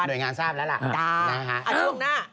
โดยงานทราบแล้วล่ะนะฮะ